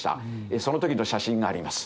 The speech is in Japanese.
その時の写真があります。